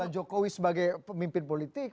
jokowi sebagai pemimpin politik